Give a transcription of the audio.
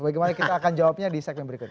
bagaimana kita akan jawabnya di segmen berikutnya